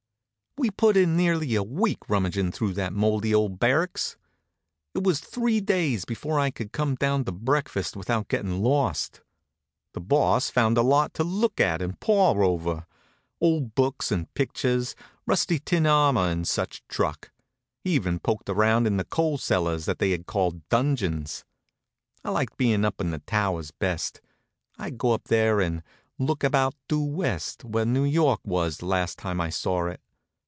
We put in nearly a week rummaging through that moldy old barracks. It was three days before I could come down to breakfast without getting lost. The Boss found a lot to look at and paw over; old books and pictures, rusty tin armor and such truck. He even poked around in the coal cellars that they called dungeons. I liked being up in the towers best. I'd go up there and look about due west, where New York was the last time I saw it.